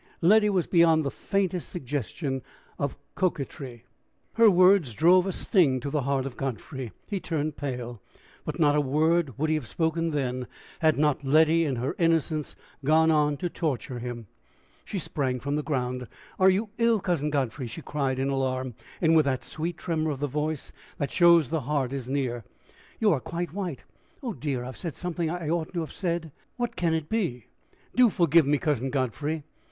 Letty was beyond the faintest suggestion of coquetry. Her words drove a sting to the heart of Godfrey. He turned pale. But not a word would he have spoken then, had not Letty in her innocence gone on to torture him. She sprang from the ground. "Are you ill, Cousin Godfrey?" she cried in alarm, and with that sweet tremor of the voice that shows the heart is near. "You are quite white! Oh, dear! I've said something I oughtn't to have said! What can it be? Do forgive me, Cousin Godfrey."